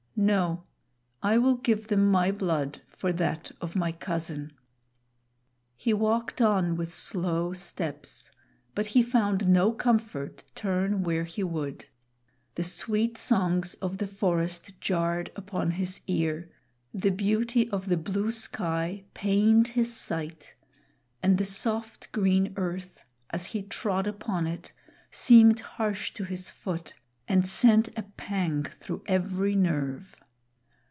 No. I will give them my blood for that of my cousin." He walked on with slow steps, but he found no comfort, turn where he would; the sweet songs of the forest jarred upon his ear; the beauty of the blue sky pained his sight; and the soft green earth, as he trod upon it, seemed harsh to his foot and sent a pang through every nerve.